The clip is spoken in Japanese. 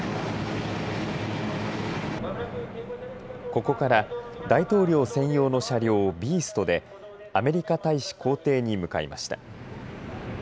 ここから大統領専用の車両ビーストでアメリカ大使公邸に向かいました。